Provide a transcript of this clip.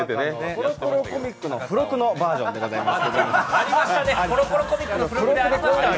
コロコロコミックの付録のバージョンです。